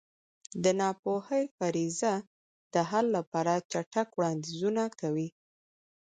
د ناپوهۍ فرضیه د حل لپاره چټک وړاندیزونه کوي.